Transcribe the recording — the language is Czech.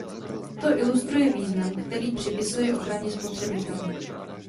To ilustruje význam, který připisuje ochraně spotřebitele.